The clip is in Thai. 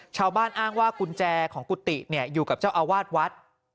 ชาวบ้านอ้างว่ากุญแจของกุฏิอยู่กับเจ้าอาวาสวัด